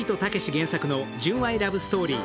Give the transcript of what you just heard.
原作の純愛ラブストーリー。